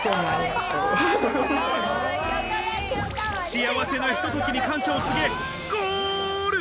幸せなひとときに感謝を告げ、ゴール！